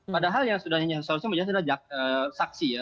padahal yang sudah seharusnya menjelaskan adalah saksi ya